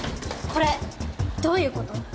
これどういう事？